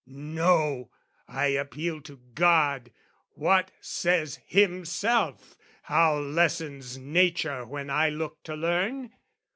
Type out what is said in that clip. No, I appeal to God, what says Himself, How lessons Nature when I look to learn?